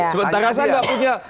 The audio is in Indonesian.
sementara saya gak punya